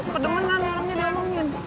kedemenan orangnya diomongin